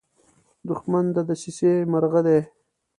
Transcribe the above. دښمن د دسیسې مرغه دی